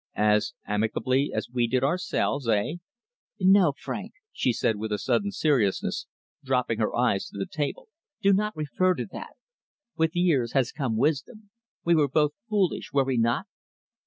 "As amicably as we did ourselves eh?" "No, Frank," she said with a sudden seriousness, dropping her eyes to the table. "Do not refer to that. With years has come wisdom. We were both foolish, were we not?"